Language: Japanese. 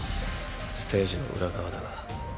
ステージの裏側だが。